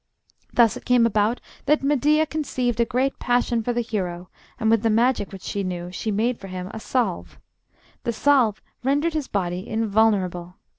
Thus it came about that Medea conceived a great passion for the young hero, and with the magic which she knew she made for him a salve. The salve rendered his body invulnerable.